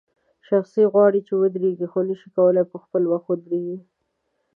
شخص غواړي چې ودرېږي خو نشي کولای په خپل وخت ودرېږي.